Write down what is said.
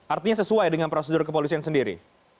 artinya sesuai dengan prosedur kepolisian sendiri